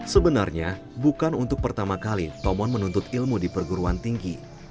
sebenarnya bukan untuk pertama kali tomon menuntut ilmu di perguruan tinggi